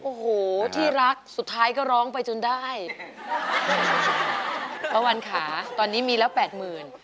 โอ้โหที่รักสุดท้ายก็ร้องไปจนได้ป้าวันค่ะตอนนี้มีแล้วแปดหมื่น